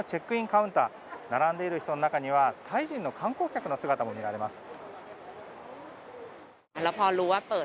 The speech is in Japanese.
カウンター並んでいる人の中にはタイ人の観光客の姿も見られます。